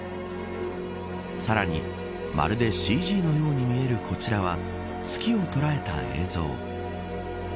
さらに、まるでＣＧのように見えるこちらは月を捉えた映像。